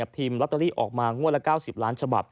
ลอตเตอรี่ออกมางวดละ๙๐ล้านฉบับ